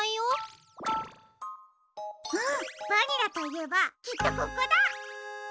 うんバニラといえばきっとここだ！